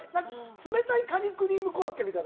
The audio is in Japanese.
冷たいカニクリームコロッケみたいな？